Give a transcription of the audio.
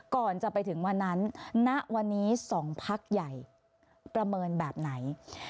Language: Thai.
ก่อนจะไปถึงวันนั้นณวันนี้๒พักใหญ่ประเมินแบบไหน